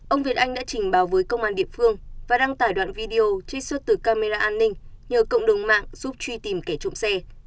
ông việt anh đã trình báo với công an địa phương và đăng tải đoạn video trích xuất từ camera an ninh nhờ cộng đồng mạng giúp truy tìm kẻ trộm xe